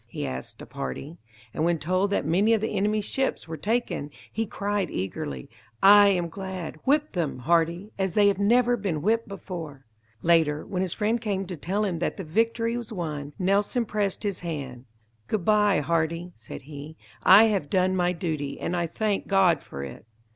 he asked of Hardy; and when told that many of the enemies' ships were taken, he cried eagerly, "I am glad. Whip them, Hardy, as they have never been whipped before." Later, when his friend came to tell him that the victory was won, Nelson pressed his hand. "Good bye, Hardy!" said he, "I have done my duty, and I thank God for it."